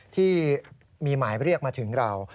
ที่มีหมายเรียกมาถึงเรา